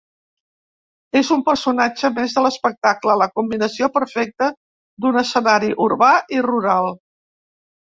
És un personatge més de l'espectacle, la combinació perfecta d'un escenari urbà i rural.